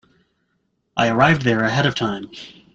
I arrived there ahead of time.